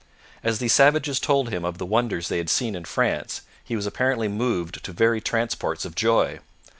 As these savages told him of the wonders they had seen in France, he was apparently moved to very transports of joy.